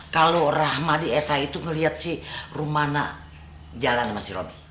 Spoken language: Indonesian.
kalau rahmadi sh itu ngelihat si rumana jalan sama si robby